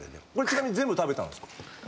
ちなみに全部食べたんですか？